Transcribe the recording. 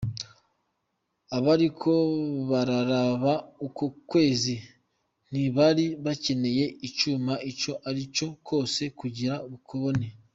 Abariko bararaba uko kwezi ntibari bakeneye icuma ico ari co cose kugira bakubone.